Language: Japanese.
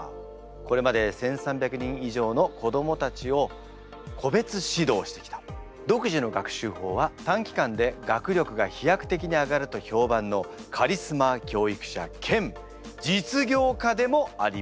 これまで１，３００人以上の子どもたちを個別指導してきた独自の学習法は短期間で学力が飛躍的に上がると評判のカリスマ教育者兼実業家でもあります。